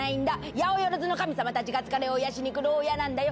八百万の神様たちが疲れを癒やすお湯屋なんだよ。